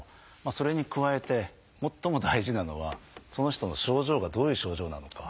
それに加えて最も大事なのはその人の症状がどういう症状なのか。